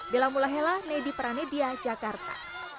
bila mulai helah nedi pranedia jakarta